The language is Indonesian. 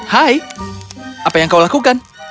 hai apa yang kau lakukan